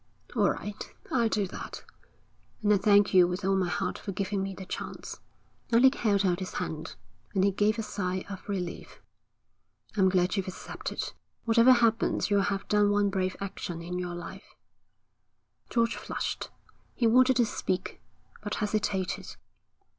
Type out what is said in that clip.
'All right! I'll do that. And I thank you with all my heart for giving me the chance.' Alec held out his hand, and he gave a sigh of relief. 'I'm glad you've accepted. Whatever happens you'll have done one brave action in your life.' George flushed. He wanted to speak, but hesitated.